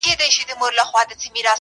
لويي څپې به لکه غرونه راځي!